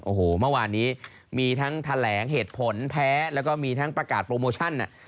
โอ้โหเมื่อวานนี้มีทั้งแถลงเหตุผลแพ้แล้วก็มีทั้งประกาศโปรโมชั่น